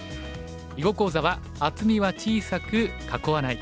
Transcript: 囲碁講座は「厚みは小さく囲わない」。